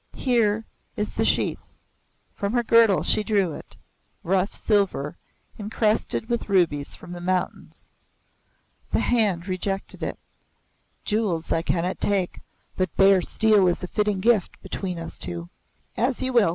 Here is the sheath." From her girdle she drew it rough silver, encrusted with rubies from the mountains. The hand rejected it. "Jewels I cannot take, but bare steel is a fitting gift between us two." "As you will."